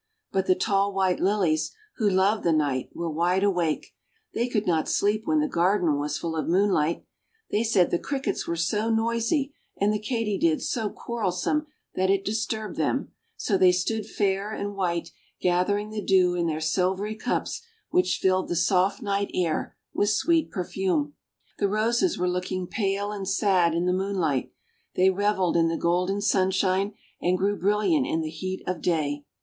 But the tall white Lilies, who loved the night, were wide awake; they could not sleep when the garden was full of moonlight. They said the Crickets were so noisy and the Katydids so quarrelsome that it disturbed them, so they stood fair and white gathering the dew in their silvery cups which filled the soft night air with sweet perfume. The Roses were looking pale and sad in the moonlight; they reveled in the golden sunshine and grew brilliant in the heat of day.